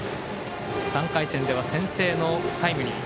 ３回戦では先制のタイムリー。